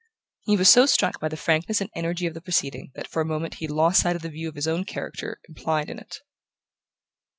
He was so struck by the frankness and energy of the proceeding that for a moment he lost sight of the view of his own character implied in it.